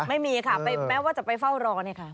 ไม่มีค่ะแม้ว่าจะไปเฝ้ารอเนี่ยค่ะ